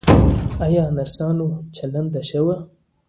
ایا نرسانو چلند ښه و؟